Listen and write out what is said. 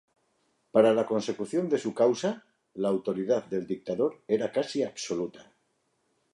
Para la consecución de su "causa", la autoridad del dictador era casi absoluta.